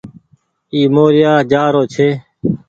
اي موريآ جآ رو ڇي۔